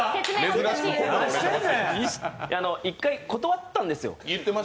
１回断ったんですよ。